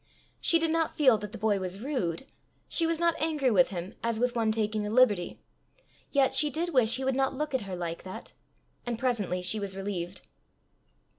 She did not feel that the boy was rude; she was not angry with him as with one taking a liberty; yet she did wish he would not look at her like that; and presently she was relieved.